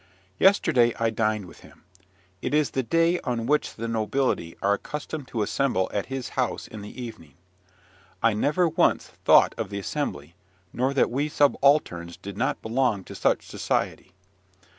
Yesterday I dined with him. It is the day on which the nobility are accustomed to assemble at his house in the evening. I never once thought of the assembly, nor that we subalterns did not belong to such society.